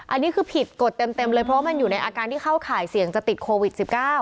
อันนี้คือผิดกฎเต็มเลยเพราะว่ามันอยู่ในอาการที่เข้าข่ายเสี่ยงจะติดโควิด๑๙